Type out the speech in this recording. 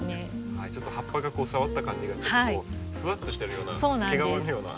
ちょっと葉っぱが触った感じがちょっとふわっとしてるような毛皮のような。